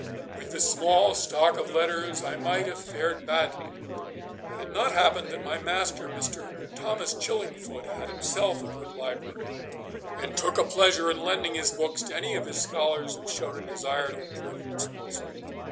With this small stock of letters I might have fared badly, had it not happened that my master, Mr. Thomas Chillingfoot, had himself a good library, and took a pleasure in lending his books to any of his scholars who showed a desire to improve themselves.